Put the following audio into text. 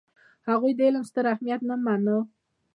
هغوی د علم ستر اهمیت نه منلو.